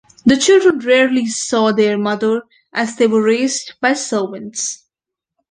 The children rarely saw their mother, as they were raised by servants.